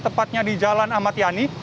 tepatnya di jalan ahmad yani